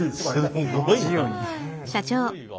すごいわ。